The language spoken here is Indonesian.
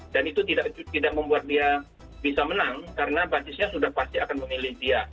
dan itu tidak membuat dia bisa menang karena basisnya sudah pasti akan memilih dia